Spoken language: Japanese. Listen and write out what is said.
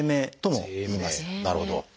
なるほど。